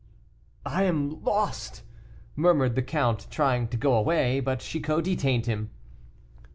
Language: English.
"I am lost!" murmured the count, trying to go away. But Chicot detained him.